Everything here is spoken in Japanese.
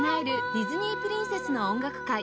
ディズニープリンセスの音楽会